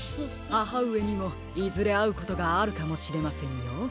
ははうえにもいずれあうことがあるかもしれませんよ。